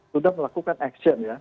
sudah melakukan action ya